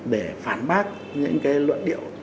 để phản bác những cái lợi điệu